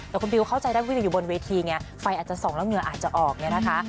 แต่คุณบิวเข้าใจได้ว่าอยู่บนเวทีไงไฟอาจจะส่องแล้วเหงื่ออาจจะออกเนี่ยนะคะ